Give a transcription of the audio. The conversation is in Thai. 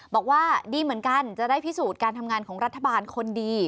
บอกว่าดีเหมือนกันจะได้พิสูจน์การทำงานของรัฐบาลคนดี